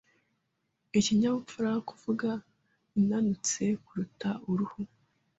Ikinyabupfura kuvuga inanutse kuruta uruhu.